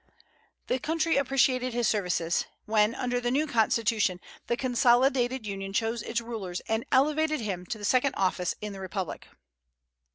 The country appreciated his services, when, under the new Constitution, the consolidated Union chose its rulers, and elevated him to the second office in the republic.